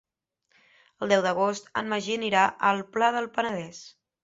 El deu d'agost en Magí anirà al Pla del Penedès.